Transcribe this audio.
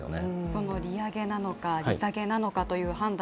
その利上げなのか、利下げなのかという判断